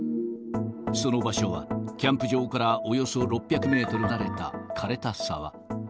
その場所はキャンプ場からおよそ６００メートル離れたかれた沢。